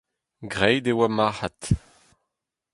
Graet e oa marc’had.